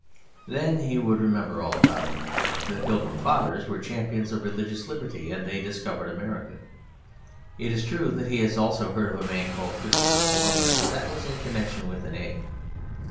Then he would remember all about it. The Pilgrim Fathers were champions of religious liberty; and they discovered America. It is true that he has also heard of a man called Christopher Columbus; but that was in connection with an egg.